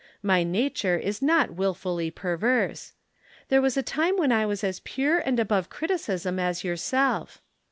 My nature is not wilfully perverse. There was a time when I was as pure and above criticism as yourself."